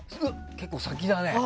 結構先だね。